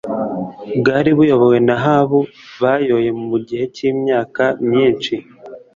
bwari buyobowe na Ahabu bayoye igihe kimwe imyaka myinshi